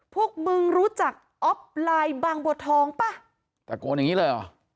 พวกมึงรู้จักอ๊อฟไลน์บางบัวทองป่ะตะโกนอย่างงี้เลยเหรอ